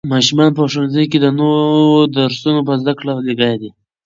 ماشومان په ښوونځي کې د نوو درسونو په زده کړه لګیا دي.